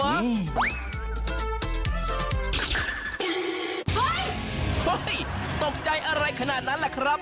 เฮ้ยตกใจอะไรขนาดนั้นแหละครับ